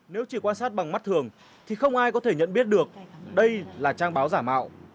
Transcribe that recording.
nếu chỉ quan sát bằng mắt thường thì không ai có thể nhận biết được đây là trang báo giả mạo